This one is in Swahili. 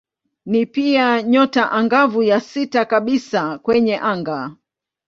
Ni pia nyota angavu ya sita kabisa kwenye anga.